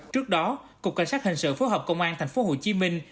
trước đó cục cảnh sát hình sự phối hợp công an thành phố hồ chí minh